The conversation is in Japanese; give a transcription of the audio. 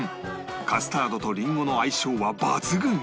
カスタードとりんごの相性は抜群！